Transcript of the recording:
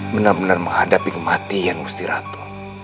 benar benar menghadapi kematian gusti ratu